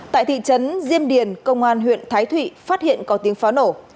tại thị trấn diêm điền công an huyện thái thụy phát hiện có tiếng pháo nổ